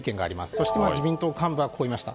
そして自民党幹部はこう言いました。